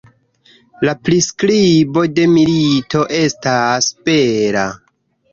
La priskribo de milito estas bela.